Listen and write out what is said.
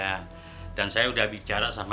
pak haji sulam sebaiknya perjanjian ini dibatalkan aja